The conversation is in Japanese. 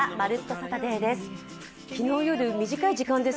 サタデー」です。